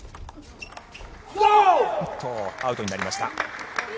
アウトになりました。